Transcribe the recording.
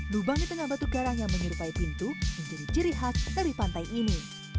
lubang di tengah batu karang yang menyerupai pintu menjadi ciri khas dari pantai ini